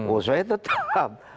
oh saya tetap